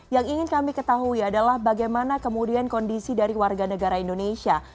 yang ingin kami ketahui adalah bagaimana kemudian kondisi dari warga negara indonesia